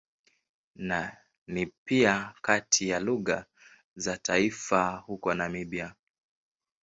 Ni pia kati ya lugha za taifa huko Namibia.